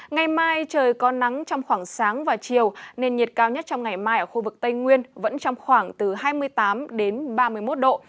ngày mai trời có nắng trong khoảng sáng và chiều nên nhiệt cao nhất trong ngày mai ở khu vực tây nguyên vẫn trong khoảng từ hai mươi tám đến ba mươi một độ